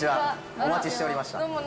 お待ちしておりました。